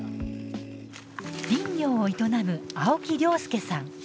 林業を営む青木亮輔さん。